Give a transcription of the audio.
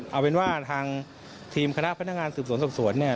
เอาเป็นว่าทางทีมคณะพนักงานสืบสวนสอบสวนเนี่ย